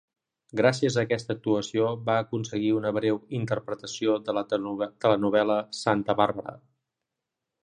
Gràcies a aquesta actuació va aconseguir una breu interpretació a la telenovel·la "Santa Bàrbara".